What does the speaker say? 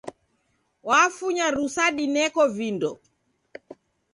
Wafunya rusa dineko vindo.